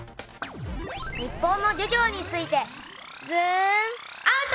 日本の漁業についてズームアウト！